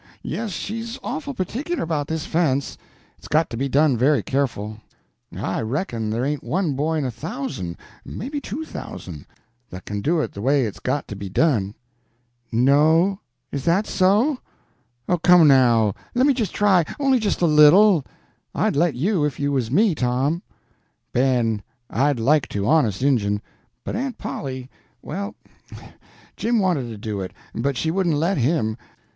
Yes, she's awful particular about this fence; it's got to be done very careful; I reckon there ain't one boy in a thousand, maybe two thousand, that can do it the way it's got to be done." "No is that so? Oh, come now; lemme just try, only just a little. I'd let you, if you was me, Tom." "Ben, I'd like to, honest injun; but Aunt Polly well, Jim wanted to do it, but she wouldn't let him.